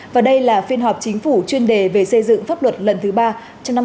và đây là phiên họp chính phủ chuyên đề về xây dựng pháp luật lần thứ ba trong năm hai nghìn hai mươi bốn